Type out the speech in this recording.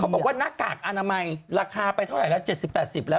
เขาบอกว่าหน้ากากอนามัยราคาไปเท่าไหร่แล้ว